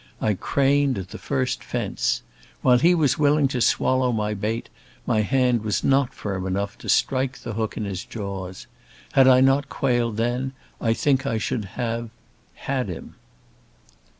I craned at the first fence. When he was willing to swallow my bait, my hand was not firm enough to strike the hook in his jaws. Had I not quailed then I think I should have 'had him'."